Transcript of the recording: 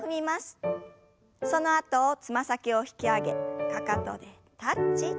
そのあとつま先を引き上げかかとでタッチ。